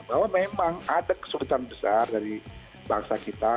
bahwa memang ada kesulitan besar dari bangsa kita